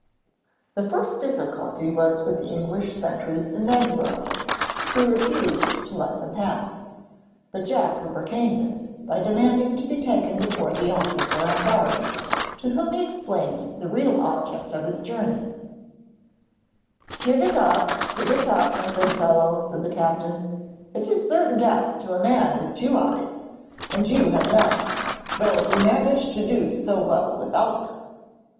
The first difficulty was with the English sentries in Edinburgh, who refused to let them pass; but Jack overcame this by demanding to be taken before the officer on guard, to whom he explained the real object of his journey. [Illustration: THE HIGHLANDERS DEMAND THE CAPTAIN'S HORSE FOR THE PRINCE.] 'Give it up, give it up! my good fellow,' said the captain; 'it is certain death to a man with two eyes, and you have none, though you manage to do so well without them.'